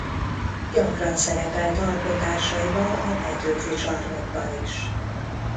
Gyakran szerepelt alkotásaival a Petőfi Csarnokban is.